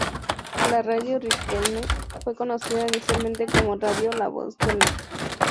La Radio Riquelme fue conocida inicialmente como Radio La Voz del Norte.